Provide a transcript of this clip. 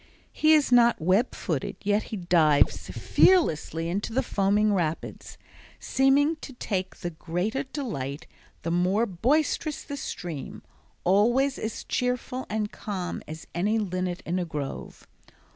He is not web footed, yet he dives fearlessly into foaming rapids, seeming to take the greater delight the more boisterous the stream, always as cheerful and calm as any linnet in a grove.